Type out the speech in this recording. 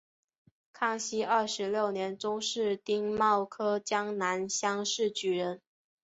康熙二十六年中式丁卯科江南乡试举人。